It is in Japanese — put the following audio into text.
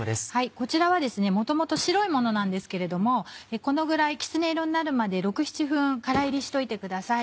こちらは元々白いものなんですけれどもこのぐらいきつね色になるまで６７分からいりしといてください。